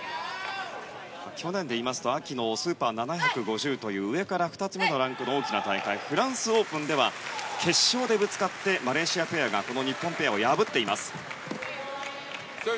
去年でいいますと秋のＳｕｐｅｒ７５０という上から２つ目のランクの大きな大会フランスオープンでは決勝でぶつかってマレーシアペアが日本ペアを破っています。